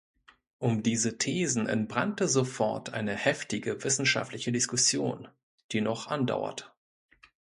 Um diese Thesen entbrannte sofort eine heftige wissenschaftliche Diskussion, die noch andauert.